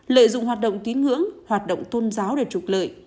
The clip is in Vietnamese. lợi dụng hoạt động tín ngưỡng hoạt động tôn giáo để trục lợi